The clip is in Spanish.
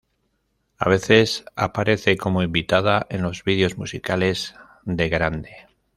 A veces, aparece como invitada en los videos musicales de Grande.